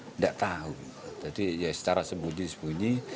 tidak tahu jadi ya secara sembunyi sembunyi